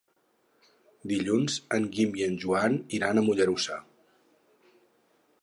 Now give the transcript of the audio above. Dilluns en Guim i en Joan iran a Mollerussa.